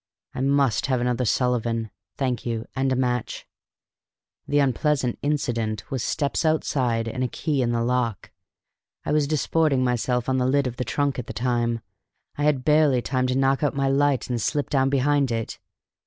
"I must have another Sullivan thank you and a match. The unpleasant incident was steps outside and a key in the lock! I was disporting myself on the lid of the trunk at the time. I had barely time to knock out my light and slip down behind it.